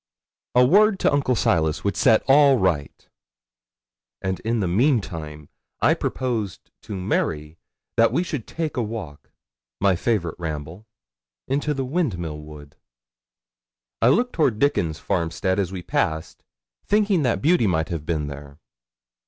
A word to Uncle Silas would set all right; and in the meantime I proposed to Mary that we should take a walk my favourite ramble into the Windmill Wood. I looked toward Dickon's farmstead as we passed, thinking that Beauty might have been there.